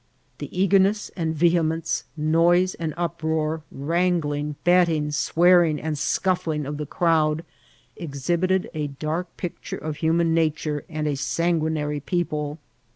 The eagerness and vehemence, noise and uproar, wrangling, betting, swearing, and scuffling of the crowd, exhibited a dark picture of human nature and a sanguinary people.